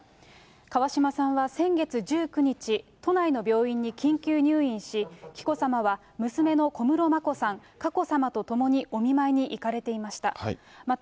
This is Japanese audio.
川嶋さんは先月１９日、都内の病院に緊急入院し、紀子さまは娘の小室眞子さん、佳子さまと共にお見舞いに行かれていました。